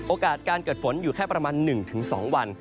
โอกาสการเกิดฝนอยู่แค่ประมาณ๑๒วัน